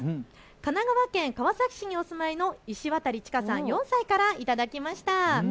神奈川県川崎市にお住まいのいしわたりちかさん、４歳から頂きました。